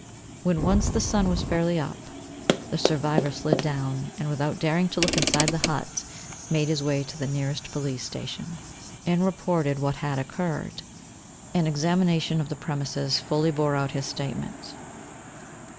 When once the sun was fairly up, the survivor slid down, and without daring to look inside the hut, made his way to the nearest Police Station, and reported what had occurred. An examination of the premises fully bore out his statement.